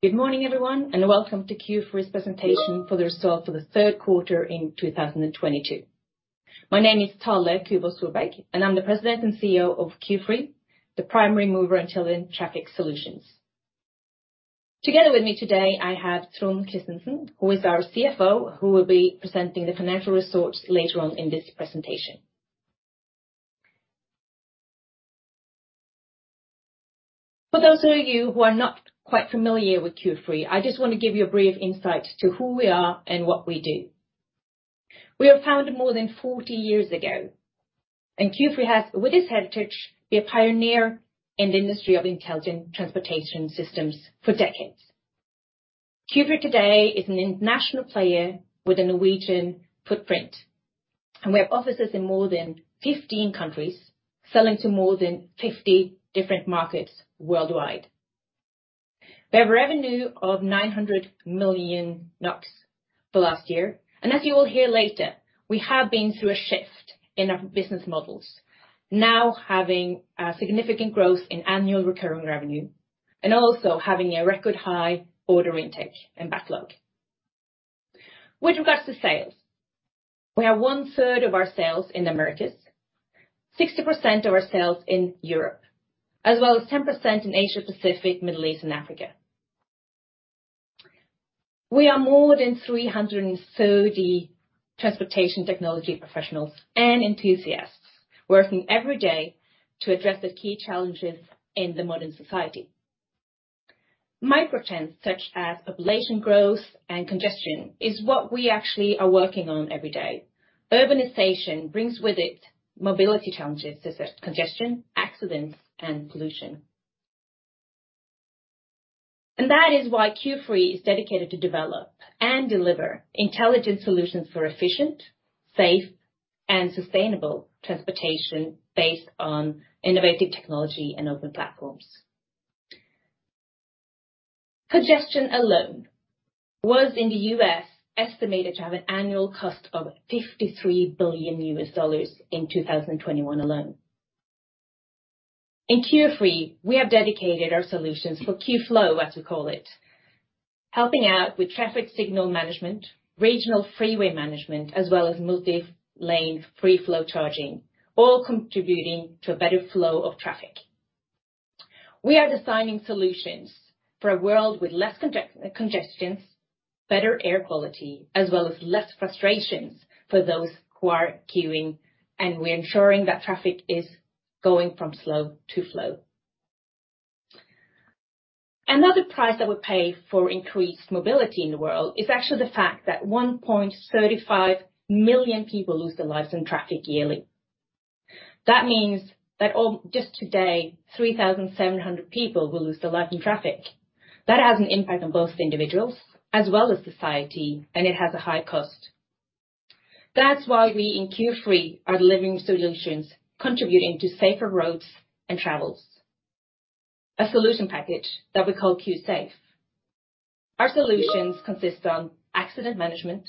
Good morning, everyone, and welcome to Q-Free's presentation for the results for the third quarter in 2022. My name is Thale Kuvås Solberg, and I'm the President and CEO of Q-Free, the primary mover in intelligent traffic solutions. Together with me today, I have Trond Christensen, who is our CFO, who will be presenting the financial results later on in this presentation. For those of you who are not quite familiar with Q-Free, I just wanna give you a brief insight to who we are and what we do. We are founded more than 40 years ago, and Q-Free has, with its heritage, been a pioneer in the industry of intelligent transportation systems for decades. Q-Free today is an international player with a Norwegian footprint, and we have offices in more than 15 countries, selling to more than 50 different markets worldwide. We have revenue of 900 million NOK the last year, and as you will hear later, we have been through a shift in our business models. Now having a significant growth in annual recurring revenue, and also having a record high order intake and backlog. With regards to sales, we have 1/3 of our sales in Americas, 60% of our sales in Europe, as well as 10% in Asia, Pacific, Middle East and Africa. We are more than 330 transportation technology professionals and enthusiasts working every day to address the key challenges in the modern society. Megatrends such as population growth and congestion is what we actually are working on every day. Urbanization brings with it mobility challenges such as congestion, accidents, and pollution. That is why Q-Free is dedicated to develop and deliver intelligent solutions for efficient, safe, and sustainable transportation based on innovative technology and open platforms. Congestion alone was, in the U.S., estimated to have an annual cost of $53 billion in 2021 alone. In Q-Free, we have dedicated our solutions for Q-Flow, as we call it, helping out with traffic signal management, regional freeway management, as well as multi-lane free-flow charging, all contributing to a better flow of traffic. We are designing solutions for a world with less congestions, better air quality, as well as less frustrations for those who are queuing, and we're ensuring that traffic is going from slow to flow. Another price that we pay for increased mobility in the world is actually the fact that 1.35 million people lose their lives in traffic yearly. That means that just today, 3,700 people will lose their life in traffic. That has an impact on both individuals as well as society, and it has a high cost. That's why we in Q-Free are delivering solutions contributing to safer roads and travels. A solution package that we call Q-Safe. Our solutions consist on accident management,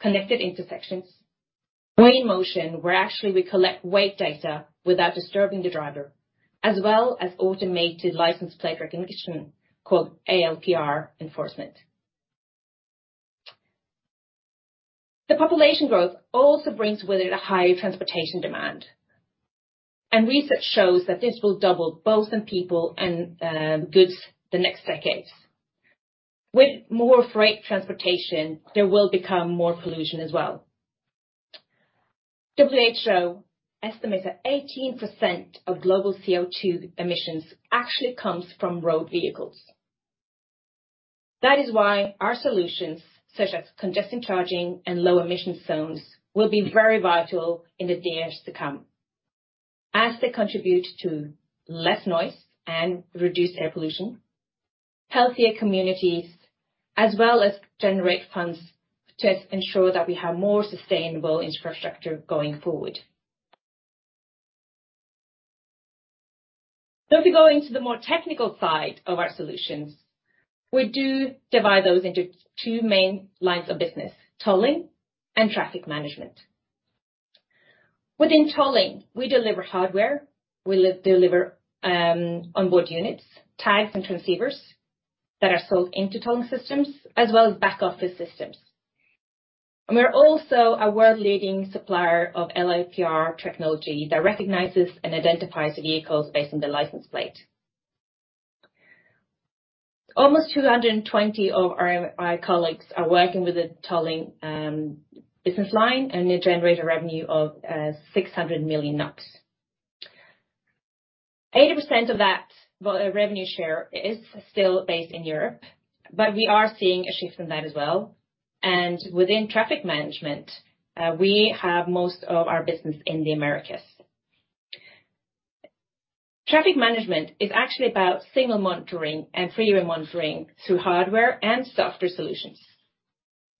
connected intersections, weigh-in-motion, where actually we collect weight data without disturbing the driver, as well as automated license plate recognition called ALPR enforcement. The population growth also brings with it a higher transportation demand. Research shows that this will double both in people and goods the next decades. With more freight transportation, there will become more pollution as well. WHO estimates that 18% of global CO2 emissions actually comes from road vehicles. That is why our solutions, such as congestion charging and low emission zones, will be very vital in the days to come, as they contribute to less noise and reduced air pollution, healthier communities, as well as generate funds to ensure that we have more sustainable infrastructure going forward. If you go into the more technical side of our solutions, we do divide those into two main lines of business, tolling and traffic management. Within tolling, we deliver hardware, onboard units, tags and transceivers that are sold into tolling systems, as well as back office systems. We're also a world leading supplier of ALPR technology that recognizes and identifies the vehicles based on the license plate. Almost 220 of our colleagues are working with the tolling business line, and they generate a revenue of 600 million. 80% of that revenue share is still based in Europe, but we are seeing a shift in that as well. Within traffic management, we have most of our business in the Americas. Traffic management is actually about signal monitoring and freeway monitoring through hardware and software solutions.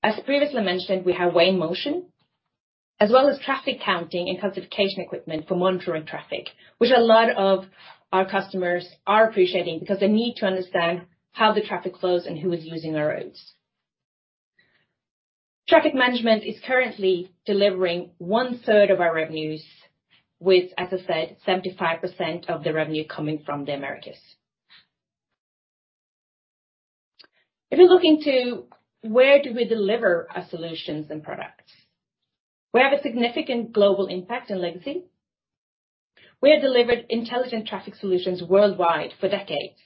As previously mentioned, we have weigh-in-motion, as well as traffic counting and classification equipment for monitoring traffic, which a lot of our customers are appreciating because they need to understand how the traffic flows and who is using our roads. Traffic management is currently delivering 1/3 of our revenues with, as I said, 75% of the revenue coming from the Americas. If you're looking to where do we deliver our solutions and products, we have a significant global impact and legacy. We have delivered intelligent traffic solutions worldwide for decades.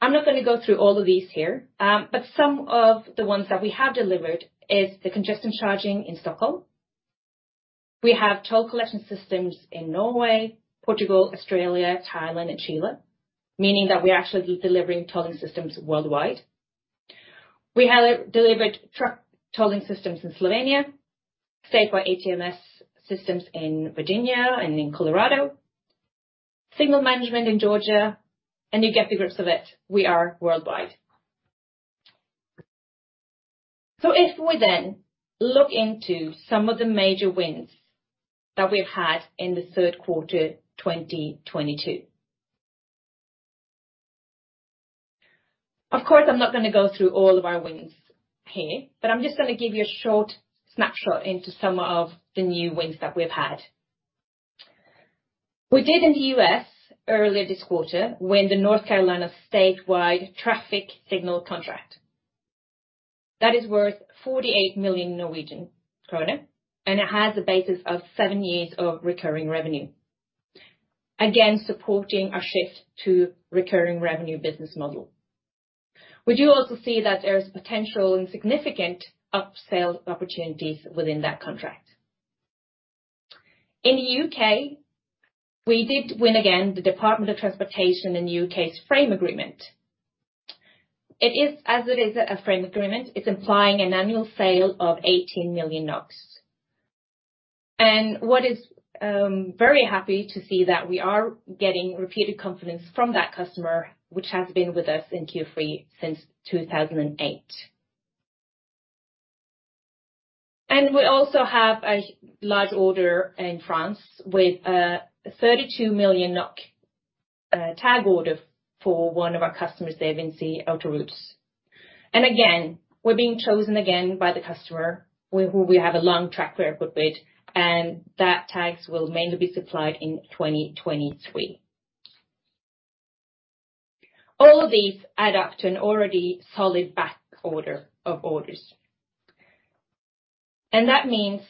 I'm not gonna go through all of these here, but some of the ones that we have delivered is the congestion charging in Stockholm. We have toll collection systems in Norway, Portugal, Australia, Thailand, and Chile, meaning that we're actually delivering tolling systems worldwide. We have delivered truck tolling systems in Slovenia, statewide ATMS systems in Virginia and in Colorado, signal management in Georgia, and you get the gist of it. We are worldwide. If we then look into some of the major wins that we've had in the third quarter, 2022. Of course, I'm not gonna go through all of our wins here, but I'm just gonna give you a short snapshot into some of the new wins that we've had. We did in the U.S. earlier this quarter, win the North Carolina statewide traffic signal contract. That is worth 48 million Norwegian krone, and it has a basis of seven years of recurring revenue. Again, supporting our shift to recurring revenue business model. We do also see that there's potential and significant upsell opportunities within that contract. In the U.K., we did win again the Department for Transport's frame agreement. It is as it is a frame agreement, it's implying an annual sale of 18 million NOK. We're very happy to see that we are getting repeated confidence from that customer, which has been with us in Q-Free since 2008. We also have a large order in France with 32 million NOK tag order for one of our customers there in VINCI Autoroutes. Again, we're being chosen by the customer with who we have a long track record with, and that tags will mainly be supplied in 2023. All of these add up to an already solid backlog of orders. That means,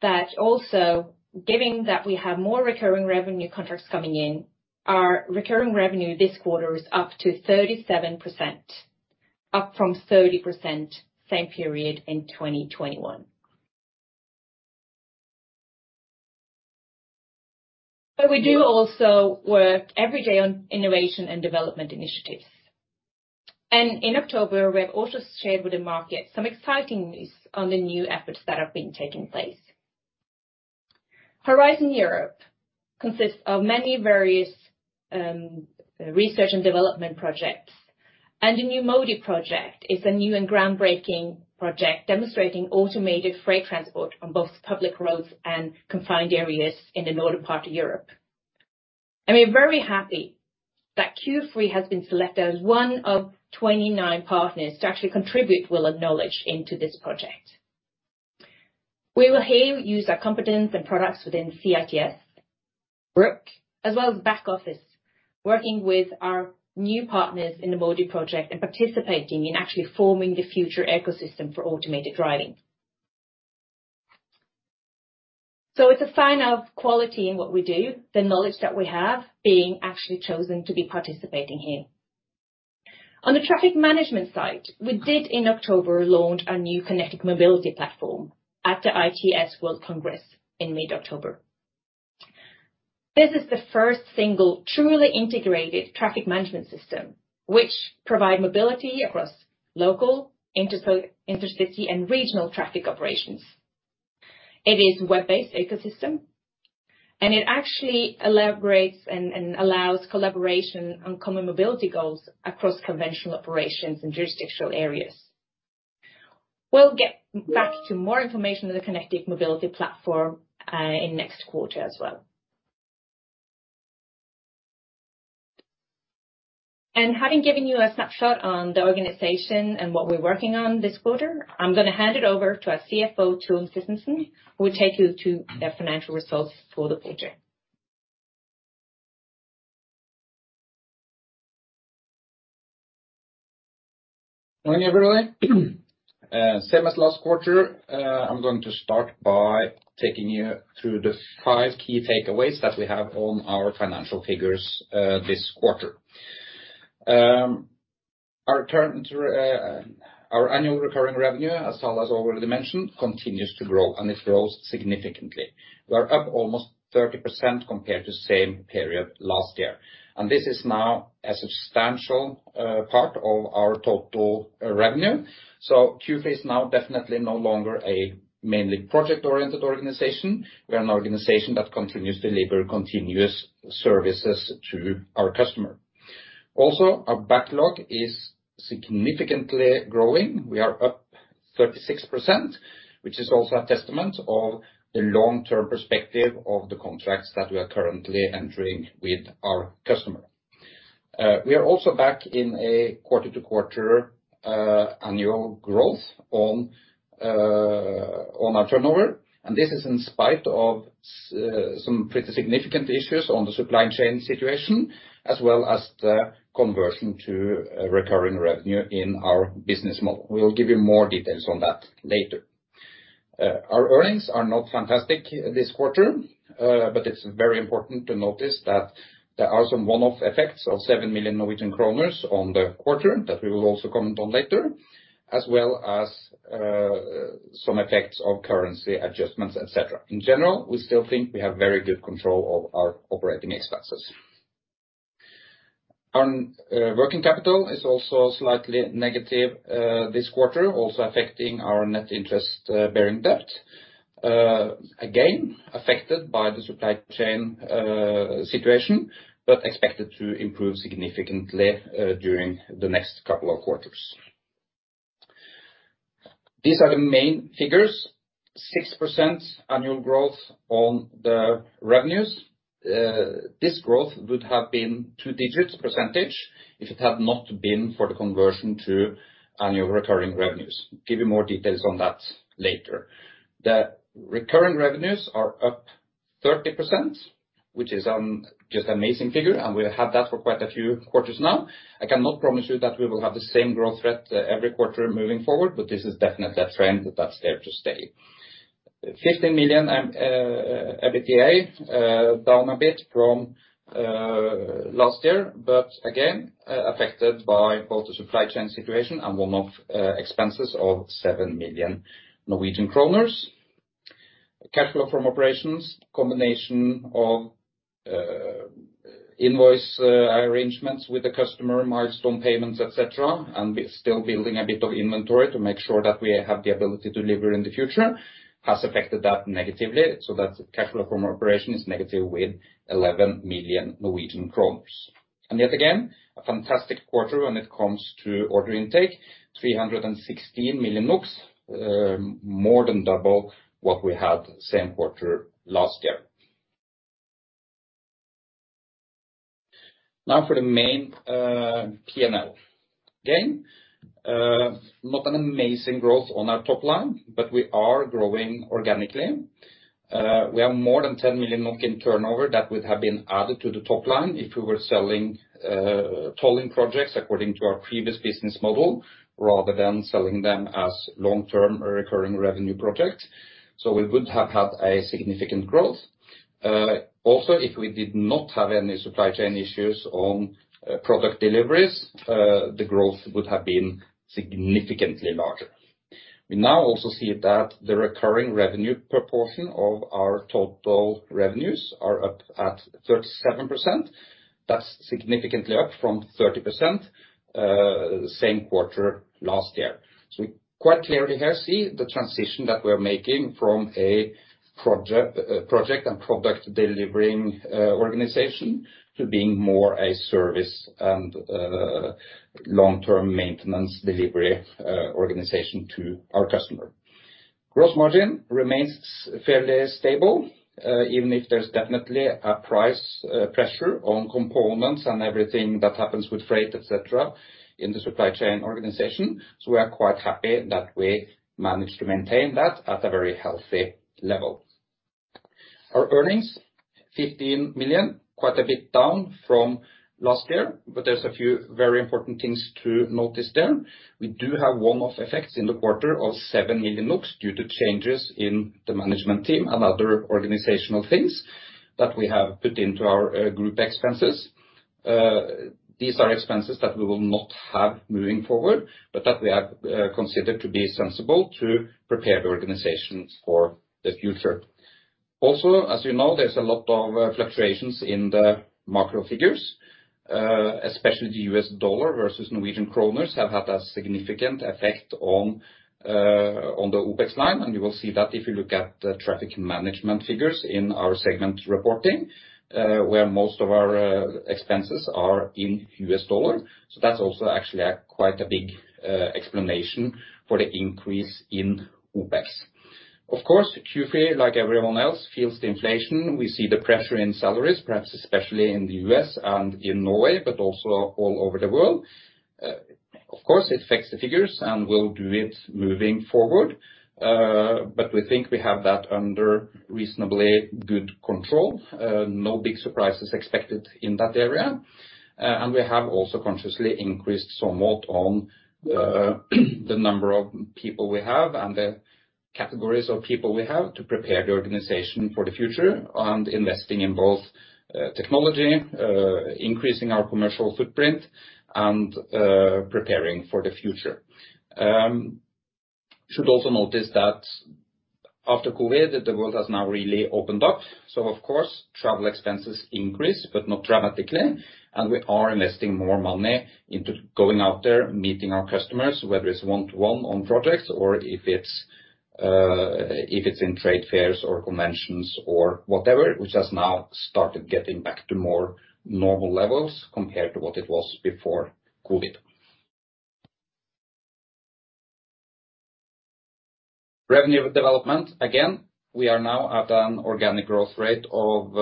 also given that we have more recurring revenue contracts coming in, our recurring revenue this quarter is up to 37%, up from 30% same period in 2021. We do also work every day on innovation and development initiatives. In October, we have also shared with the market some exciting news on the new efforts that have been taking place. Horizon Europe consists of many various research and development projects, and the new MODI project is a new and groundbreaking project demonstrating automated freight transport on both public roads and confined areas in the northern part of Europe. We're very happy that Q-Free has been selected as one of 29 partners to actually contribute with our knowledge into this project. We will here use our competence and products within C-ITS, GRIPS, as well as back office, working with our new partners in the MODI Project and participating in actually forming the future ecosystem for automated driving. It's a sign of quality in what we do, the knowledge that we have being actually chosen to be participating here. On the traffic management side, we did in October, launched our new connected mobility platform at the ITS World Congress in mid-October. This is the first single truly integrated traffic management system which provide mobility across local, intercity, and regional traffic operations. It is web-based ecosystem, and it actually elaborates and allows collaboration on common mobility goals across conventional operations and jurisdictional areas. We'll get back to more information on the connected mobility platform, in next quarter as well. Having given you a snapshot on the organization and what we're working on this quarter, I'm gonna hand it over to our CFO, Trond Christensen, who will take you to the financial results for the quarter. Morning, everybody. Same as last quarter, I'm going to start by taking you through the five key takeaways that we have on our financial figures, this quarter. Our annual recurring revenue, as Thale has already mentioned, continues to grow, and it grows significantly. We are up almost 30% compared to same period last year. This is now a substantial part of our total revenue. Q-Free is now definitely no longer a mainly project-oriented organization. We are an organization that continues to deliver continuous services to our customer. Also, our backlog is significantly growing. We are up 36%, which is also a testament of the long-term perspective of the contracts that we are currently entering with our customer. We are also back to quarter-to-quarter annual growth on our turnover, and this is in spite of some pretty significant issues on the supply chain situation, as well as the conversion to a recurring revenue in our business model. We will give you more details on that later. Our earnings are not fantastic this quarter, but it's very important to notice that there are some one-off effects of 7 million Norwegian kroner on the quarter that we will also comment on later, as well as some effects of currency adjustments, et cetera. In general, we still think we have very good control of our operating expenses. Working capital is also slightly negative this quarter, also affecting our net interest bearing debt. Again, affected by the supply chain situation, but expected to improve significantly during the next couple of quarters. These are the main figures. 6% annual growth on the revenues. This growth would have been two-digit percentage if it had not been for the conversion to annual recurring revenues. Give you more details on that later. The recurring revenues are up 30%, which is just amazing figure, and we have that for quite a few quarters now. I cannot promise you that we will have the same growth rate every quarter moving forward, but this is definitely a trend that's there to stay. 15 million and EBITDA down a bit from last year, but again, affected by both the supply chain situation and one-off expenses of 7 million Norwegian kroner. Cash flow from operations, combination of invoicing arrangements with the customer, milestone payments, et cetera, and we're still building a bit of inventory to make sure that we have the ability to deliver in the future, has affected that negatively. That's cash flow from operations is negative with 11 million Norwegian kroner. Yet again, a fantastic quarter when it comes to order intake, 316 million, more than double what we had same quarter last year. Now for the main P&L. Again, not an amazing growth on our top-line, but we are growing organically. We have more than 10 million in turnover that would have been added to the top line if we were selling tolling projects according to our previous business model, rather than selling them as long-term recurring revenue projects. We would have had a significant growth. Also, if we did not have any supply chain issues on product deliveries, the growth would have been significantly larger. We now also see that the recurring revenue proportion of our total revenues are up at 37%. That's significantly up from 30%, same quarter last year. We quite clearly here see the transition that we're making from a project and product delivering organization to being more a service and long-term maintenance delivery organization to our customer. Gross margin remains fairly stable, even if there's definitely a price pressure on components and everything that happens with freight, et cetera, in the supply chain organization. We are quite happy that we managed to maintain that at a very healthy level. Our earnings, 15 million, quite a bit down from last year, but there's a few very important things to notice there. We do have one-off effects in the quarter of 7 million NOK due to changes in the management team and other organizational things that we have put into our group expenses. These are expenses that we will not have moving forward, but that we have considered to be sensible to prepare the organizations for the future. Also, as you know, there's a lot of fluctuations in the macro figures, especially the U.S. dollar versus Norwegian kroner have had a significant effect on the OpEx line, and you will see that if you look at the traffic management figures in our segment reporting, where most of our expenses are in U.S. dollar. That's also actually a quite big explanation for the increase in OpEx. Of course, Q-Free, like everyone else, feels the inflation. We see the pressure in salaries, perhaps especially in the U.S. and in Norway, but also all over the world. Of course, it affects the figures, and will do it moving forward, but we think we have that under reasonably good control. No big surprises expected in that area. We have also consciously increased somewhat on the number of people we have and the categories of people we have to prepare the organization for the future and investing in both technology increasing our commercial footprint and preparing for the future. Should also notice that after COVID, the world has now really opened up. Of course, travel expenses increase, but not dramatically. We are investing more money into going out there, meeting our customers, whether it's one-to-one on projects or if it's in trade fairs or conventions or whatever, which has now started getting back to more normal levels compared to what it was before COVID. Revenue development. Again, we are now at an organic growth rate of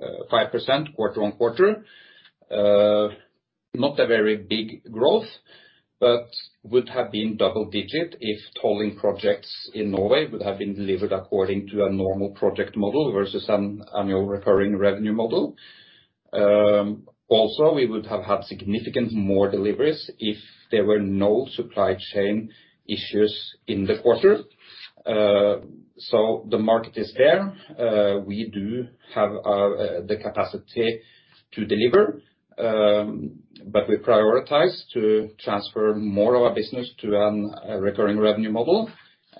5% quarter-on-quarter. Not a very big growth, but would have been double-digit if tolling projects in Norway would have been delivered according to a normal project model versus an annual recurring revenue model. Also, we would have had significant more deliveries if there were no supply chain issues in the quarter. The market is there. We do have the capacity to deliver, but we prioritize to transfer more of our business to a recurring revenue model.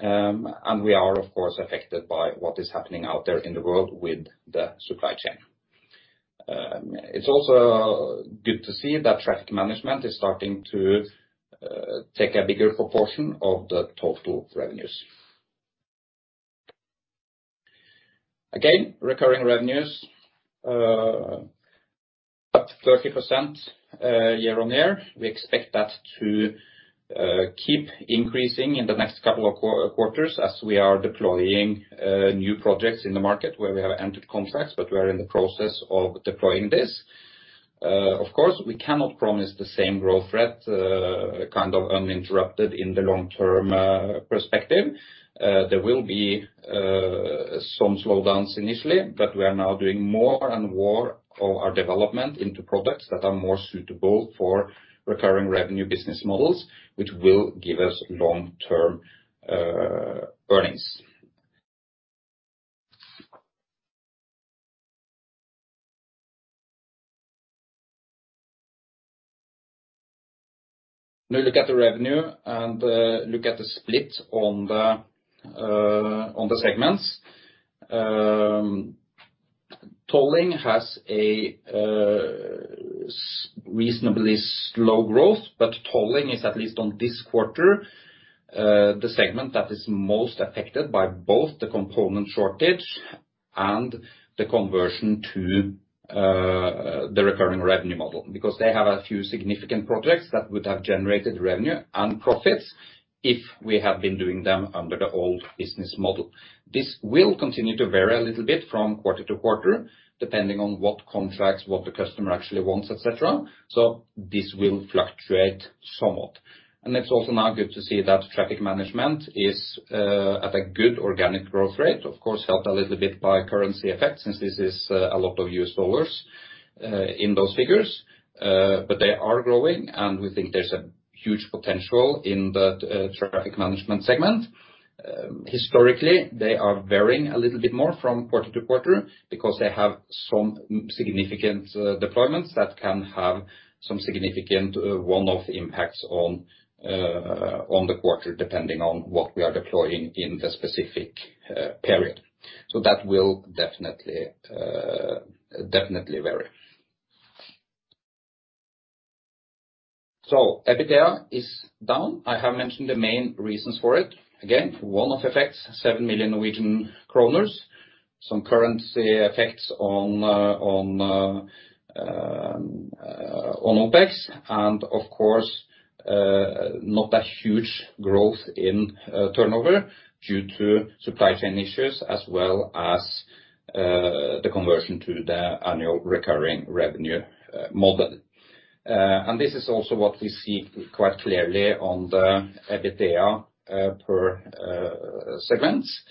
We are, of course, affected by what is happening out there in the world with the supply chain. It's also good to see that traffic management is starting to take a bigger proportion of the total revenues. Again, recurring revenues at 30%, year-on-year. We expect that to keep increasing in the next couple of quarters as we are deploying new projects in the market where we have entered contracts, but we are in the process of deploying this. Of course, we cannot promise the same growth rate kind of uninterrupted in the long-term perspective. There will be some slowdowns initially, but we are now doing more and more of our development into products that are more suitable for recurring revenue business models, which will give us long-term earnings. Now look at the revenue, and look at the split on the segments. Tolling has a reasonably slow growth, but tolling is, at least in this quarter, the segment that is most affected by both the component shortage and the conversion to the recurring revenue model. Because they have a few significant projects that would have generated revenue and profits if we had been doing them under the old business model. This will continue to vary a little bit from quarter-to-quarter, depending on what contracts, what the customer actually wants, et cetera. This will fluctuate somewhat. It's also now good to see that traffic management is at a good organic growth rate, of course, helped a little bit by currency effects since this is a lot of U.S. dollars in those figures. But they are growing, and we think there's a huge potential in the traffic management segment. Historically, they are varying a little bit more from quarter to quarter because they have some significant deployments that can have some significant one-off impacts on the quarter, depending on what we are deploying in the specific period. That will definitely vary. EBITDA is down. I have mentioned the main reasons for it. Again, one-off effects, 7 million Norwegian kroner. Some currency effects on OpEx. Of course, not a huge growth in turnover due to supply chain issues as well as the conversion to the annual recurring revenue model. This is also what we see quite clearly on the EBITDA per segments.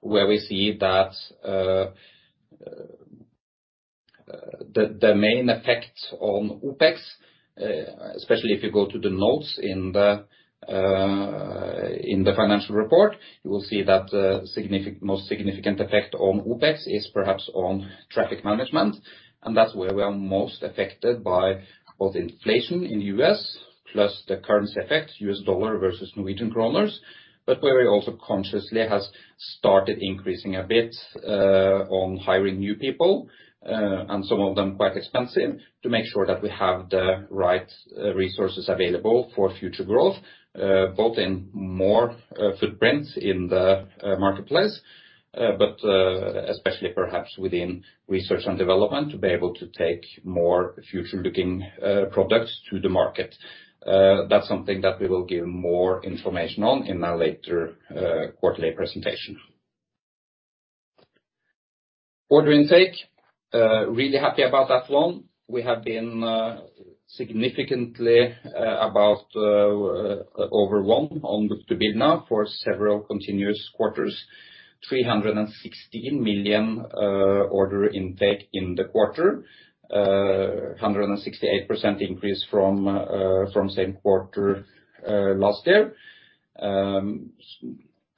Where we see that the main effect on OpEx, especially if you go to the notes in the financial report, you will see that the most significant effect on OpEx is perhaps on traffic management, and that's where we are most affected by both inflation in the U.S. plus the currency effect, U.S. dollar versus Norwegian kroner. Where we also consciously has started increasing a bit on hiring new people, and some of them quite expensive, to make sure that we have the right resources available for future growth, both in more footprints in the marketplace, but especially perhaps within research and development, to be able to take more future-looking products to the market. That's something that we will give more information on in a later quarterly presentation. Order intake. Really happy about that one. We have been significantly above one on book-to-bill now for several continuous quarters. 316 million order intake in the quarter. 168% increase from same quarter last year.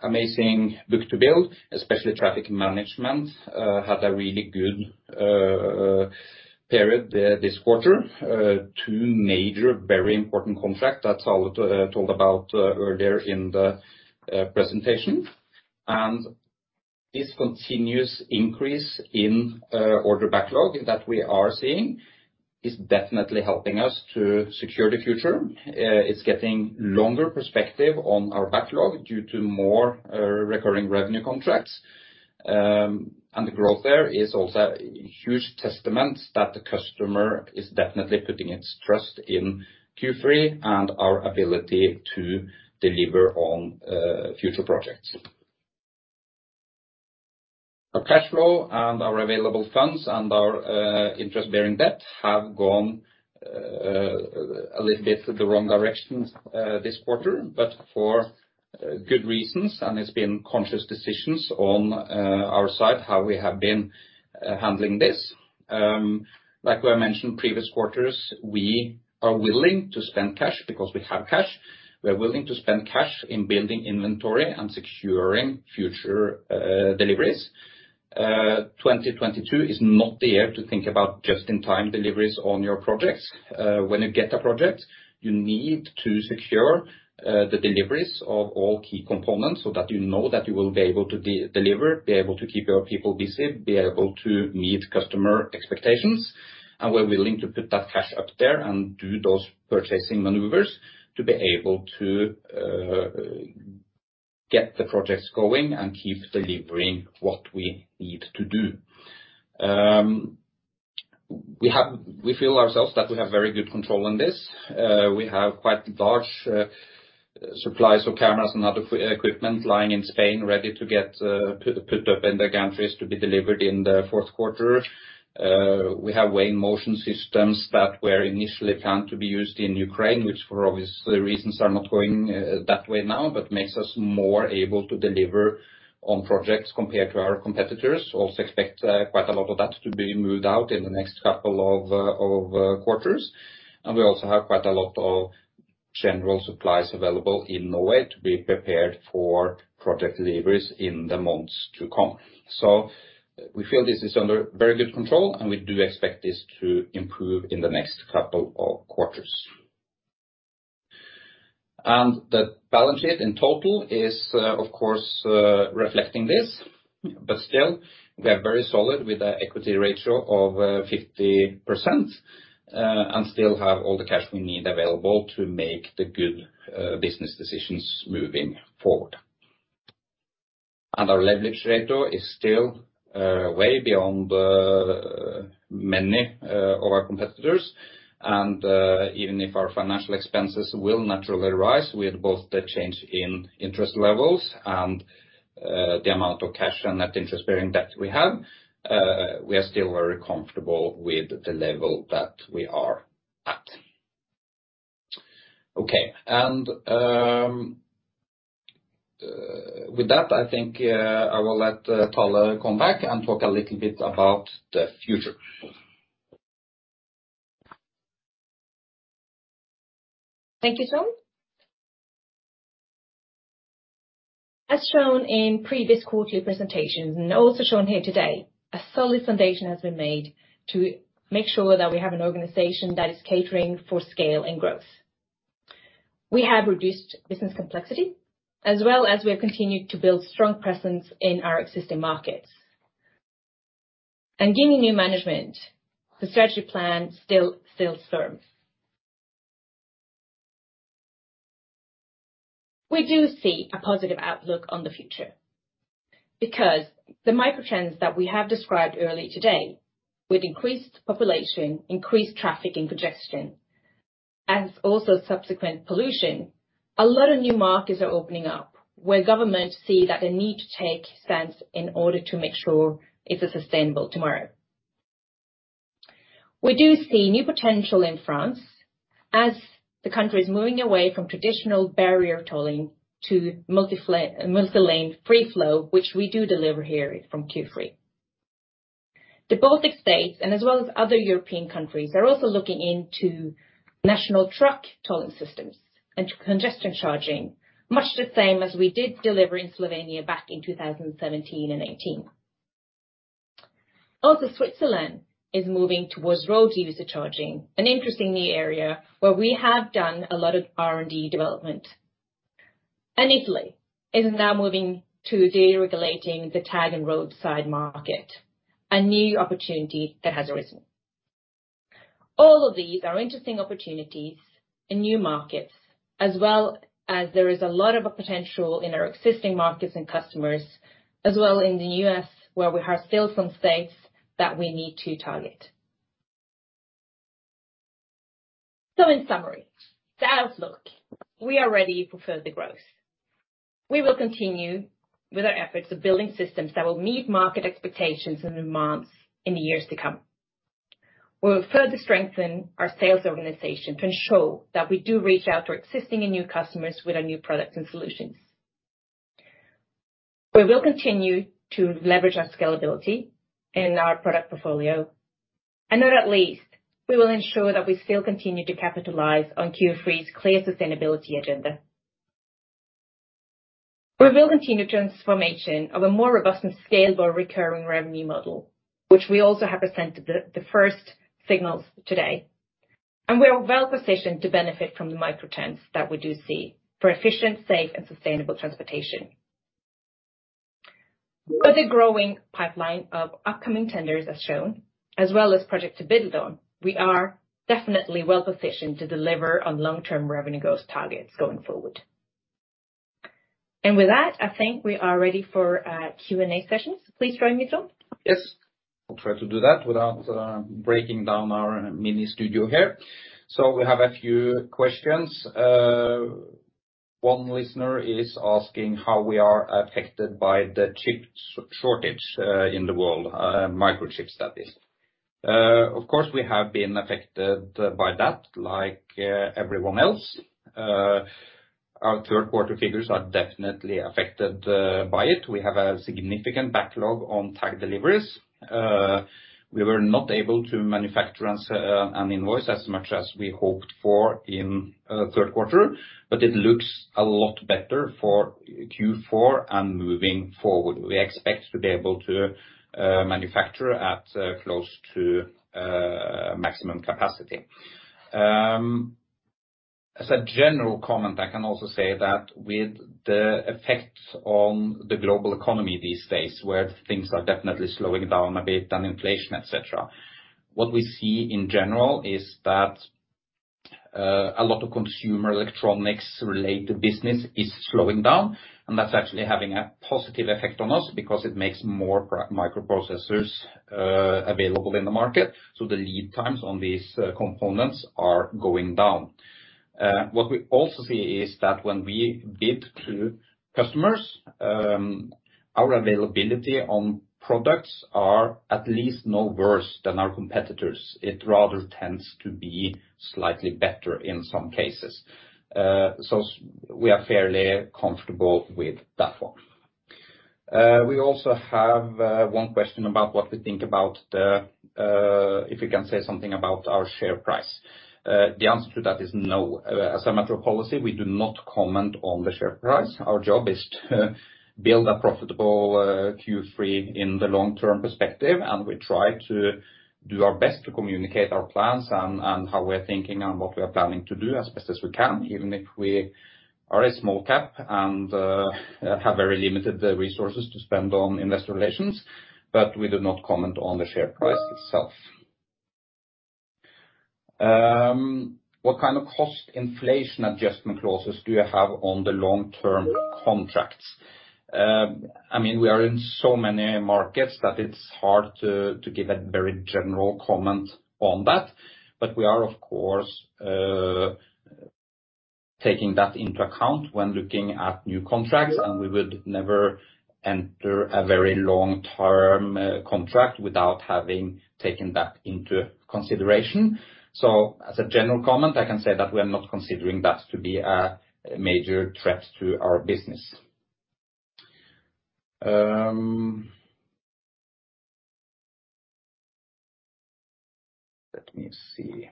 Amazing book-to-bill, especially traffic management, had a really good period this quarter. Two major very important contract. That's all told about earlier in the presentation. This continuous increase in order backlog that we are seeing is definitely helping us to secure the future. It's getting longer perspective on our backlog due to more recurring revenue contracts. The growth there is also huge testament that the customer is definitely putting its trust in Q-Free and our ability to deliver on future projects. Our cash flow and our available funds and our interest-bearing debt have gone a little bit the wrong direction this quarter, but for good reasons, and it's been conscious decisions on our side, how we have been handling this. Like I mentioned previous quarters, we are willing to spend cash because we have cash. We're willing to spend cash in building inventory and securing future deliveries. 2022 is not the year to think about just-in-time deliveries on your projects. When you get a project, you need to secure the deliveries of all key components so that you know that you will be able to deliver, be able to keep your people busy, be able to meet customer expectations. We're willing to put that cash up there and do those purchasing maneuvers to be able to get the projects going and keep delivering what we need to do. We feel ourselves that we have very good control on this. We have quite large supplies of cameras and other equipment lying in Spain ready to get put up in the gantries to be delivered in the fourth quarter. We have Weigh-in-Motion systems that were initially planned to be used in Ukraine, which for obvious reasons are not going that way now, but makes us more able to deliver on projects compared to our competitors. Also expect quite a lot of that to be moved out in the next couple of quarters. We also have quite a lot of general supplies available in Norway to be prepared for project deliveries in the months to come. We feel this is under very good control, and we do expect this to improve in the next couple of quarters. The balance sheet in total is, of course, reflecting this, but still, we are very solid with an equity ratio of 50%, and still have all the cash we need available to make the good business decisions moving forward. Our leverage ratio is still way beyond many of our competitors. Even if our financial expenses will naturally rise with both the change in interest levels and the amount of cash and net interest bearing debt we have, we are still very comfortable with the level that we are at. Okay. With that, I think I will let Thale come back and talk a little bit about the future. Thank you, Trond. As shown in previous quarterly presentations, and also shown here today, a solid foundation has been made to make sure that we have an organization that is catering for scale and growth. We have reduced business complexity, as well as we have continued to build strong presence in our existing markets. Given new management, the strategy plan still sails firm. We do see a positive outlook on the future because the megatrends that we have described earlier today, with increased population, increased traffic and congestion, and also subsequent pollution, a lot of new markets are opening up where governments see that they need to take a stance in order to make sure it's a sustainable tomorrow. We do see new potential in France as the country is moving away from traditional barrier tolling to multi-lane free-flow, which we do deliver here from Q3. The Baltic States and as well as other European countries are also looking into national truck tolling systems and congestion charging, much the same as we did deliver in Slovenia back in 2017 and 2018. Also, Switzerland is moving towards road user charging, an interesting new area where we have done a lot of R&D development. Italy is now moving to deregulating the tag and roadside market, a new opportunity that has arisen. All of these are interesting opportunities in new markets, as well as there is a lot of a potential in our existing markets and customers, as well in the U.S., where we have still some states that we need to target. In summary, the outlook, we are ready for further growth. We will continue with our efforts of building systems that will meet market expectations in the months and years to come. We will further strengthen our sales organization to ensure that we do reach out to existing and new customers with our new products and solutions. We will continue to leverage our scalability in our product portfolio. Not least, we will ensure that we still continue to capitalize on Q3's clear sustainability agenda. We will continue transformation of a more robust and scalable recurring revenue model, which we also have presented the first signals today. We are well-positioned to benefit from the megatrends that we do see for efficient, safe and sustainable transportation. With a growing pipeline of upcoming tenders as shown, as well as projects to bid on, we are definitely well-positioned to deliver on long-term revenue growth targets going forward. With that, I think we are ready for our Q&A session. Please join me, Trond. Yes. I'll try to do that without breaking down our mini studio here. We have a few questions. One listener is asking how we are affected by the chip shortage in the world, microchips, that is. Of course, we have been affected by that like everyone else. Our third quarter figures are definitely affected by it. We have a significant backlog on tag deliveries. We were not able to manufacture and invoice as much as we hoped for in third quarter, but it looks a lot better for Q4 and moving forward. We expect to be able to manufacture at close to maximum capacity. As a general comment, I can also say that with the effects on the global economy these days, where things are definitely slowing down a bit and inflation, et cetera, what we see in general is that a lot of consumer electronics related business is slowing down, and that's actually having a positive effect on us because it makes more microprocessors available in the market, so the lead times on these components are going down. What we also see is that when we bid to customers, our availability on products are at least no worse than our competitors. It rather tends to be slightly better in some cases. So we are fairly comfortable with that one. We also have one question about what we think about if we can say something about our share price. The answer to that is no. As a matter of policy, we do not comment on the share price. Our job is to build a profitable Q-Free in the long-term perspective, and we try to do our best to communicate our plans and how we're thinking and what we are planning to do as best as we can, even if we are a small cap and have very limited resources to spend on investor relations. But we do not comment on the share price itself. What kind of cost inflation adjustment clauses do you have on the long-term contracts? I mean, we are in so many markets that it's hard to give a very general comment on that, but we are, of course, taking that into account when looking at new contracts, and we would never enter a very long-term contract without having taken that into consideration. As a general comment, I can say that we're not considering that to be a major threat to our business. Let me see.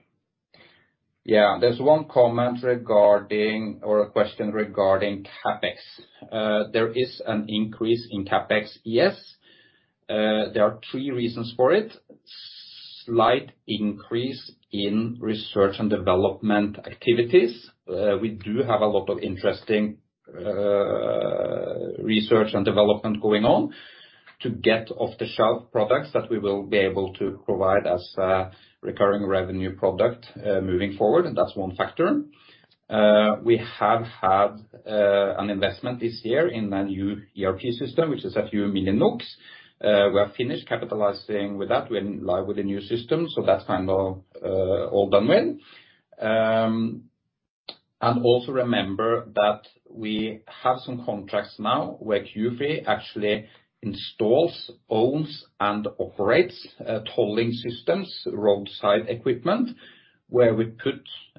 There's one comment or a question regarding CapEx. There is an increase in CapEx, yes. There are three reasons for it. Slight increase in research and development activities. We do have a lot of interesting research and development going on to get off-the-shelf products that we will be able to provide as a recurring revenue product moving forward. That's one factor. We have had an investment this year in a new ERP system, which is a few million NOK. We are finished capitalizing with that. We're live with the new system, so that's kind of all done with. Remember that we have some contracts now where Q-Free actually installs, owns and operates tolling systems, roadside equipment, where we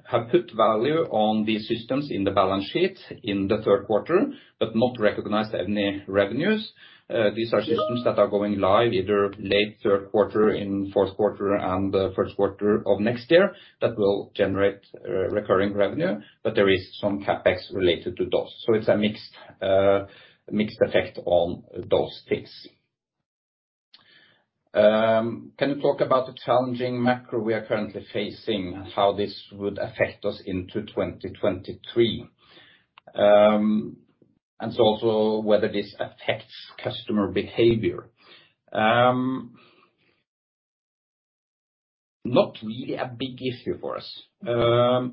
have put value on these systems in the balance sheet in the third quarter, but not recognized any revenues. These are systems that are going live either late third quarter, in fourth quarter and the first quarter of next year that will generate recurring revenue, but there is some CapEx related to those. It's a mixed effect on those things. Can you talk about the challenging macro we are currently facing, how this would affect us into 2023? Also whether this affects customer behavior. Not really a big issue for us.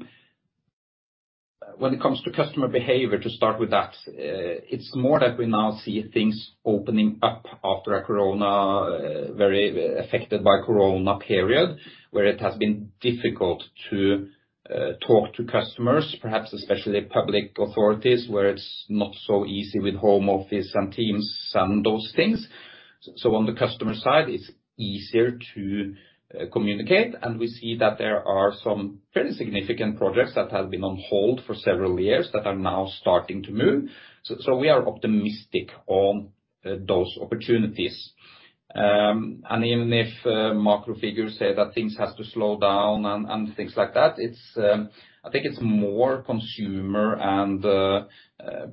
When it comes to customer behavior, to start with that, it's more that we now see things opening up after a corona, very affected by corona period, where it has been difficult to talk to customers, perhaps especially public authorities, where it's not so easy with home office and Teams and those things. On the customer side, it's easier to communicate, and we see that there are some fairly significant projects that have been on hold for several years that are now starting to move. We are optimistic on those opportunities. Even if macro figures say that things has to slow down and things like that, I think it's more consumer and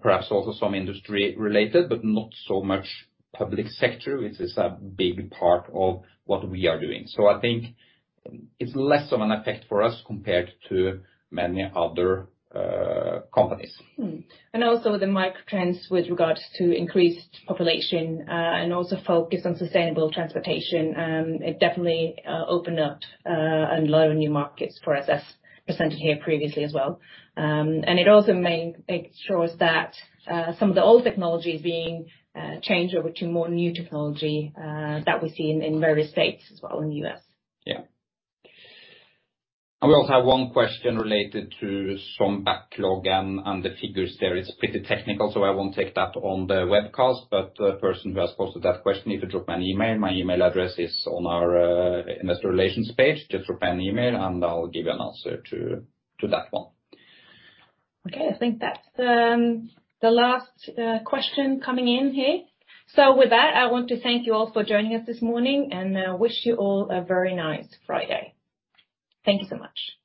perhaps also some industry-related, but not so much public sector, which is a big part of what we are doing. I think it's less of an effect for us compared to many other companies. Also the megatrends with regards to increased population and also focus on sustainable transportation, it definitely opened up a lot of new markets for us as presented here previously as well. It also ensures that some of the old technology is being changed over to more new technology that we see in various states as well in the U.S. Yeah. We also have one question related to some backlog and the figures there. It's pretty technical, so I won't take that on the webcast, but the person who has posted that question, if you drop me an email, my email address is on our Investor Relations page. Just drop an email and I'll give you an answer to that one. Okay. I think that's the last question coming in here. With that, I want to thank you all for joining us this morning, and I wish you all a very nice Friday. Thank you so much.